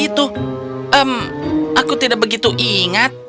itu aku tidak begitu ingat